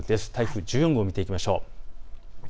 台風１４号を見ていきましょう。